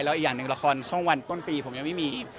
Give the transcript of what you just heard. แล้วอีกอย่างหนึ่งละครช่องวันต้นปีผมยังไม่มีอีก